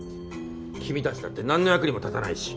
君たちだってなんの役にも立たないし。